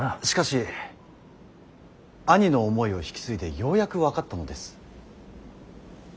しかし兄の思いを引き継いでようやく分かったのです。